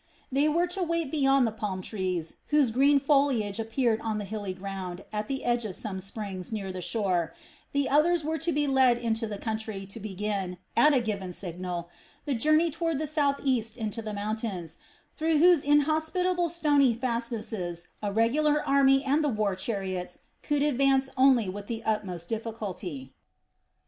They were to wait beyond the palm trees, whose green foliage appeared on the hilly ground at the edge of some springs near the shore; the others were to be led farther into the country to begin, at a given signal, the journey toward the southeast into the mountains, through whose inhospitable stony fastnesses a regular army and the war chariots could advance only with the utmost difficulty.